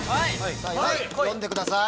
さぁ読んでください。